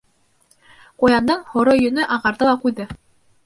Ҡуяндың һоро йөнө ағарҙы ла ҡуйҙы.